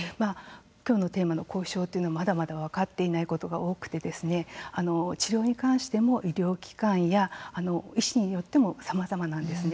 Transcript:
きょうのテーマの後遺症というのは、まだまだ分かっていないことが多くて治療に関しても医療機関や医師によってもさまざまなんですね。